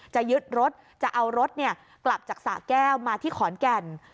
จะยึดรถจะเอารถกลับจากสะแก้วมาที่ขอนแก่น